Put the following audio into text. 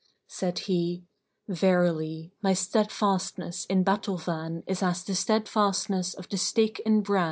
Said he, "Verily, my steadfastness in battle van is as the steadfastness of the stake in bran."